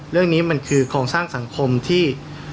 เรื่องนี้มันคือโครงสร้างสังคมที่